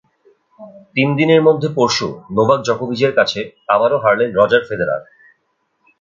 তিন দিনের মধ্যে পরশু নোভাক জোকোভিচের কাছে আবারও হারলেন রজার ফেদেরার।